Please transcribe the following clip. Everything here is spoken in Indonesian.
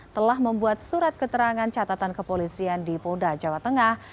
telah membuat surat keterangan catatan kepolisian di polda jawa tengah